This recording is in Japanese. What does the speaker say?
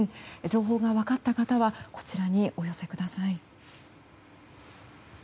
情報が分かった方はこちらにお寄せください。